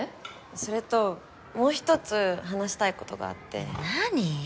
それともう１つ話したいことがあって何？